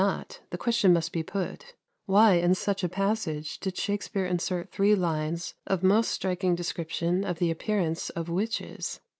Whether this be so or not, the question must be put Why, in such a passage, did Shakspere insert three lines of most striking description of the appearance of witches?